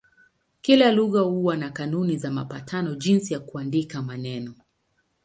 Kila lugha huwa na kanuni na mapatano jinsi ya kuandika maneno.